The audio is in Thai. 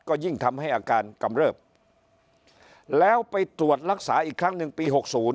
ก็ยิ่งทำให้อาการกำเริบแล้วไปตรวจรักษาอีกครั้งหนึ่งปี๖๐